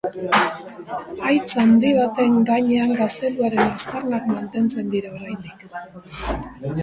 Haitz handi baten gainean gazteluaren aztarnak mantentzen dira oraindik.